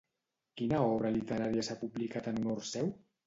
Quina obra literària s'ha publicat en honor seu?